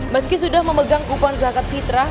meski sudah memegang kupon zakat fitrah